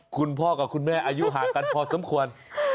คุณพ่อกับคุณแม่อายุห่างกันพอสมควร